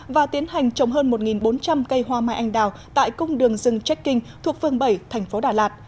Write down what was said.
và tiến hành trồng hơn một bốn trăm linh cây hoa mai anh đào tại cung đường rừng checking thuộc phương bảy thành phố đà lạt